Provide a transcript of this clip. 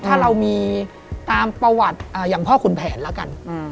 ถ้าเรามีตามประวัติอย่างพ่อขุนแผนแล้วกัน